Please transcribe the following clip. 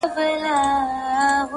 ستا تر ناز دي صدقه بلا گردان سم!!